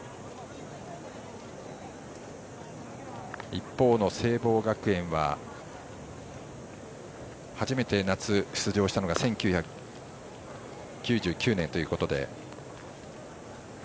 一方の聖望学園は初めて、夏出場したのが１９９９年ということで。